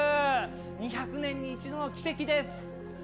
２００年に一度の奇跡です。